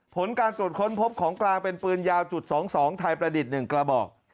ผลการตรวจค้นพบของกลางเป็นปืนยาวจุด๒๒ไทยประดิษฐ์๑กระบอก